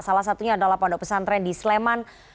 salah satunya adalah pondok pesantren di sleman